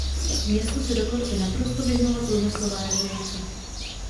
Městu se dokonce naprosto vyhnula průmyslová revoluce.